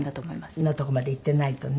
かなりのとこまでいってないとね。